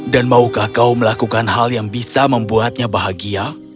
dan maukah kau melakukan hal yang bisa membuatnya bahagia